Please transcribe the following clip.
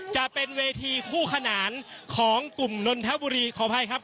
จะเป็นเวทีคู่ขนานของกลุ่มนนทบุรีขออภัยครับ